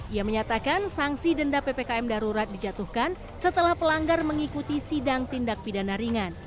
ia menyatakan sanksi denda ppkm darurat dijatuhkan setelah pelanggar mengikuti sidang tindak pidana ringan